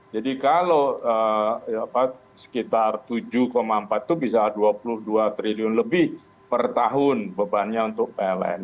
jadi kalau sekitar tujuh empat itu bisa dua puluh dua triliun lebih per tahun bebannya untuk pln